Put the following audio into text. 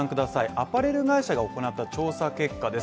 アパレル会社が行った調査結果です。